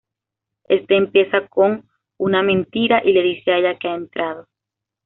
Éste empieza con una mentira y le dice a ella que ha entrado.